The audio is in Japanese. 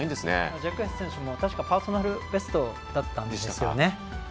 ジャクエス選手も確かパーソナルベストだったんですよね。